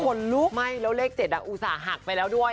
คนลุกไหม้แล้วเลข๗อุตส่าหักไปแล้วด้วย